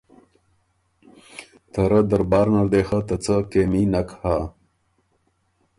”ته رۀ دربار نر دې خه ته څه کېمي نک هۀ“